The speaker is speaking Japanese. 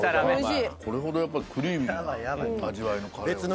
これほどやっぱクリーミーな味わいのカレーはないです。